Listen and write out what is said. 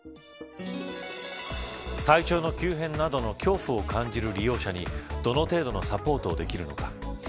体調の急変などの恐怖を感じる利用者にどの程度のサポートをできるのか。